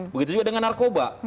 begitu juga dengan narkoba